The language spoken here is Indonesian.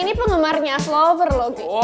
ini penggemarnya axelover loh